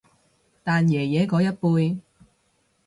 但爺爺嗰一輩